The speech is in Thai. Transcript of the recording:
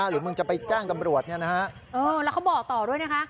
หรือว่าจะไปจ้างตำรวจไงนะฮะแล้วเขาบอกต่อด้วยนะค่ะ